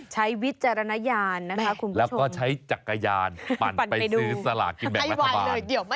ใช้วิจารณญาณนะคะคุณผู้ชมแล้วก็ใช้จักรยานปั่นไปซื้อสลากินแบบรัฐบาล